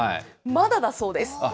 まだだそうです。